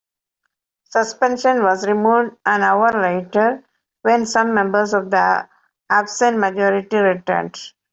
Suspension was moved an hour later when some members of the absent majority returned.